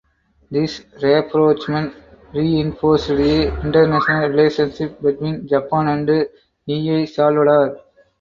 This rapprochement reinforced the international relationships between Japan and El Salvador.